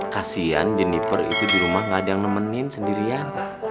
kasian jenniper itu di rumah gak ada yang nemenin sendirian